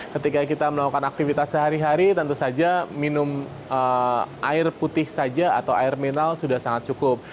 ketika kita melakukan aktivitas sehari hari tentu saja minum air putih saja atau air mineral sudah sangat cukup